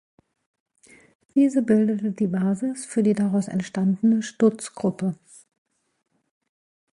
Diese bildete die Basis für die daraus entstandene Stutz Gruppe.